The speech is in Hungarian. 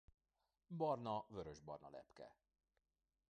Barna-vörösbarna lepke.